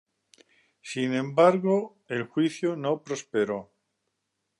Sin embargo, el juicio no prosperó.